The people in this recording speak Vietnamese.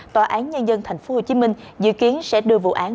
tòa án nhân dân tp hcm dự kiến sẽ đưa vụ án